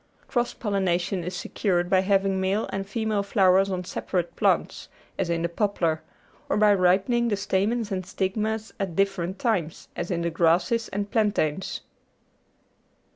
Cross pollination is secured by having male and female flow ers on separate plants, as in the poplar, or by ripening the stamens and stigmas at different times, as in the grasses and plantains.